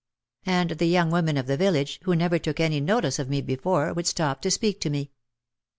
And the young women of the village, who never took any notice of me before, would stop to speak to me.